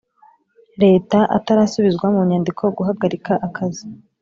Leta atarasubizwa mu nyandiko guhagarika akazi